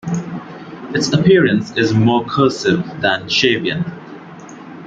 Its appearance is more cursive than Shavian.